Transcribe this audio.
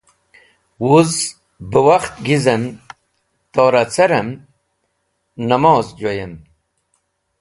Wuz be wakht gizem, torah carem, namoz joyem.